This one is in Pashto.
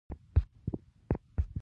ما د غلو دانو د جملو بیاکتنه هم کړې.